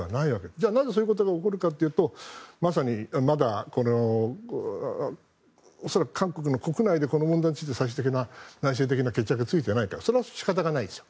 では、なぜそういうことが起こるかというとまさに、まだ恐らく韓国の国内でこの問題について最終的な内政的な決着がついてないからそれは仕方ないです。